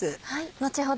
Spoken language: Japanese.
後ほど